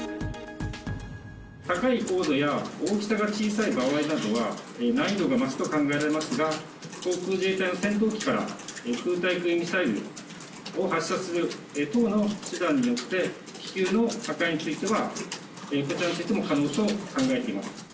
高い高度や大きさが小さい場合などは、難易度が増すと考えられますが、航空自衛隊の戦闘機から空対空ミサイルを発射する等の手段によって、気球の破壊についてはこちらについても可能と考えています。